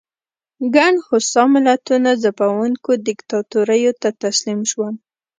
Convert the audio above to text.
ګڼ هوسا ملتونه ځپونکو دیکتاتوریو ته تسلیم شول.